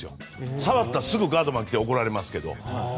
触ったらすぐガードマンが来て怒られますけど。